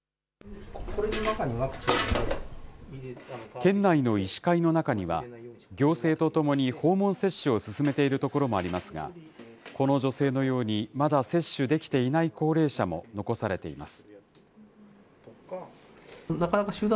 県内の医師会の中には、行政とともに訪問接種を進めている所もありますが、この女性のように、まだ接種できていない高齢者も残されています。